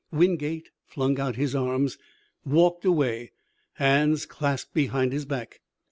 Wingate flung out his arms, walked away, hands clasped behind his back.